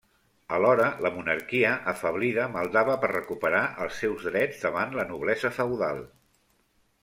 Alhora, la monarquia, afeblida, maldava per recuperar els seus drets davant la noblesa feudal.